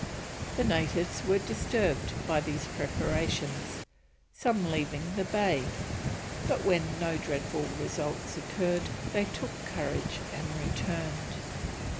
The natives were disturbed by these preparations, some even leaving the bay, but when no dreadful results occurred, they took courage and returned.